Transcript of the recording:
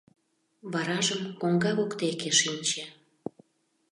Варажым коҥга воктеке шинче.